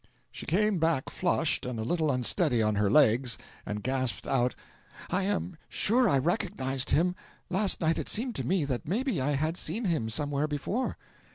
She came back flushed and a little unsteady on her legs, and gasped out: "I am sure I recognised him! Last night it seemed to me that maybe I had seen him somewhere before."